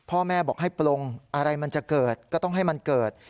พ่อแม่บอกให้ปลงอะไรมันจะเกิดก็ต้องให้มันเกิด